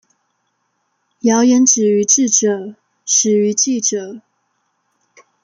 謠言止於智者，始於記者